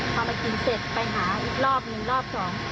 พอมากินเสร็จไปหาอีกรอบหนึ่งรอบสอง